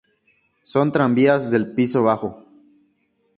Son tranvías de piso bajo.